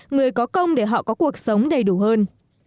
người có công để họ có cuộc sống đầy đủ hơn